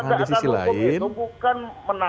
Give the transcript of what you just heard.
keterangan di sisi lain itu bukan menabrak aturan hukum